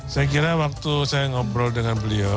saya kira waktu saya ngobrol dengan beliau